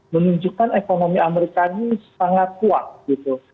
menunjukkan ekonomi amerika ini sangat kuat gitu